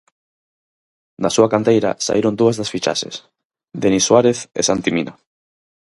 Da súa canteira saíron dúas das fichaxes, Denis Suárez e Santi Mina.